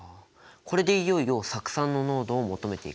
これでいよいよ酢酸の濃度を求めていくんだね。